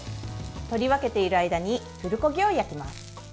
取り分けている間にプルコギを焼きます。